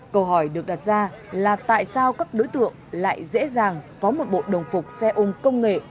câu hỏi được đặt ra là tại sao các đối tượng lại dễ dàng có một bộ đồng phục xe ôm công nghệ